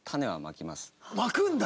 まくんだ。